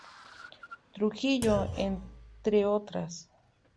Trujillo, entre otras.